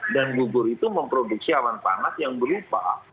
dan gugur itu memproduksi awan panas yang berupa